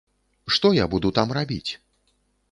Што я буду там рабіць?